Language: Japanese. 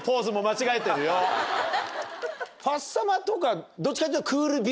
ファッサマとかどっちかっていうと。